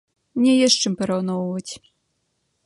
Мне ёсць з чым параўноўваць.